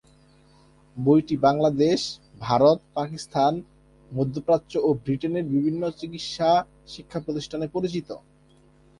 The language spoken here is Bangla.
বইটি বাংলাদেশ, ভারত, পাকিস্তান, মধ্যপ্রাচ্য ও বৃটেনের বিভিন্ন চিকিৎসা শিক্ষা-প্রতিষ্ঠানে পরিচিত।